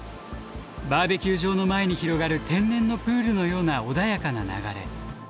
バーベキュー場の前に広がる天然のプールのような穏やかな流れ。